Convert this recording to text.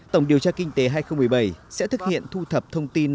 tổng điều tra kinh tế hai nghìn một mươi bảy sẽ thực hiện thu thập thông tin